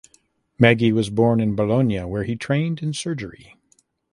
Maggi was born in Bologna where he trained in surgery.